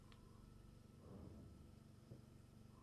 El narrador dice "sucedió, y volverá a pasar.